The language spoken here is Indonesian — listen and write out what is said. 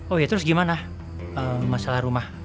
oh ya terus gimana masalah rumah